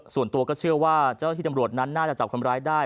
ส่วนตัวก็เชื่อว่าเจ้าที่ตำรวจนั้นน่าจะจับคนร้ายได้